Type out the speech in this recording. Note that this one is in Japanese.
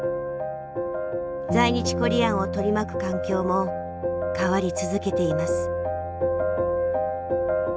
在日コリアンを取り巻く環境も変わり続けています。